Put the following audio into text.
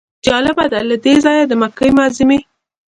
جالبه ده له دې ځایه د مکې معظمې.